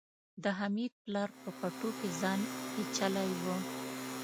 د حميد پلار په پټو کې ځان پيچلی و.